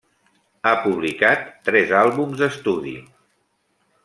Ha publicat tres d'àlbums d'estudi.